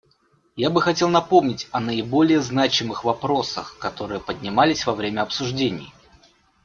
Я бы хотел напомнить о наиболее значимых вопросах, которые поднимались во время обсуждений.